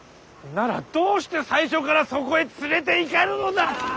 ならどうして最初からそこへ連れていかぬのだ！